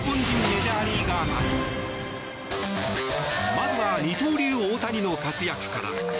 まずは二刀流・大谷の活躍から。